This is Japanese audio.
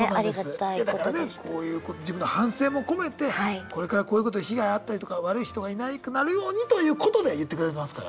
いやだからね自分の反省も込めてこれからこういうことで被害遭ったりとか悪い人がいなくなるようにということで言ってくれてますから。